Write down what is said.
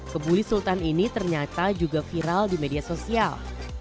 kebuli sultan ini ternyata juga viral di media sosial